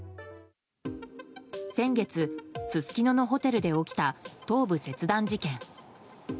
先月、すすきののホテルで起きた頭部切断事件。